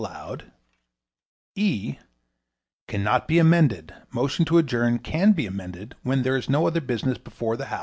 Rule E Cannot be amended. Motion to adjourn can be amended when there is no other business before the house.